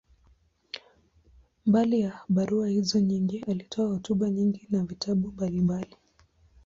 Mbali ya barua hizo nyingi, alitoa hotuba nyingi na vitabu mbalimbali.